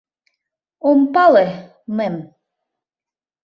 — Ом пале, мэм.